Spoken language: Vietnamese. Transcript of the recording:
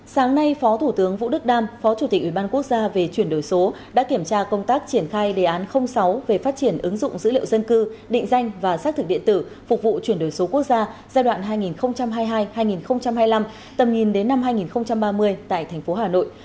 sáng nay phó thủ tướng vũ đức đam phó chủ tịch ủy ban quốc gia về chuyển đổi số đã kiểm tra công tác triển khai đề án sáu về phát triển ứng dụng dữ liệu dân cư định danh và xác thực điện tử phục vụ chuyển đổi số quốc gia giai đoạn hai nghìn hai mươi hai hai nghìn hai mươi năm tầm nhìn đến năm hai nghìn ba mươi tại thành phố hà nội